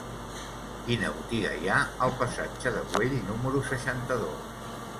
Quina botiga hi ha al passatge de Güell número seixanta-dos?